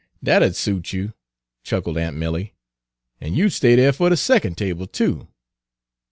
"Dat 'u'd suit you," chuckled aunt Milly, "an' you 'd stay dere fer de secon' table, too.